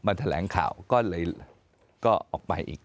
แถลงข่าวก็เลยก็ออกไปอีก